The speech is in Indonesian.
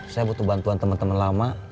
saya butuh bantuan teman teman lama